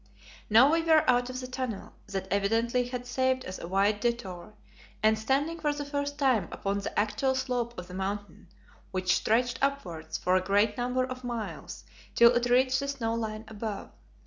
Now we were out of the tunnel, that evidently had saved us a wide detour, and standing for the first time upon the actual slope of the Mountain, which stretched upwards for a great number of miles till it reached the snow line above.